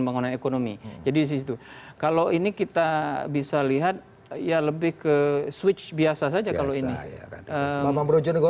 pembangunan ekonomi jadi disitu kalau ini kita bisa lihat ya lebih ke switch biasa saja kalau ini brojonegoro